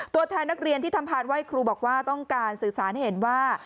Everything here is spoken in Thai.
ตัวแทนนักเรียนที่ทำพานไหว้ครูบอกว่าต้องการสื่อสารให้เห็นว่า